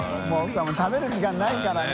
食べる時間ないからね。